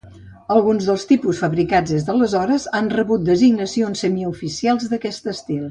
Alguns dels tipus fabricats des d'aleshores han rebut designacions semioficials d'aquest estil.